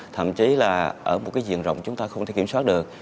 thậm chí là ở một cái diện rộng chúng ta không thể kiểm soát được